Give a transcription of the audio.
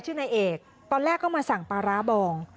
ชื่อนายเอกตอนแรกก็มาสั่งปลาร้าบอง